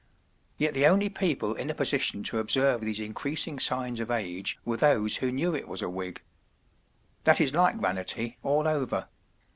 ” Yet the only people in a position to observe these increasing signs of age were those who knew it was a wig. That is like vanity, all over.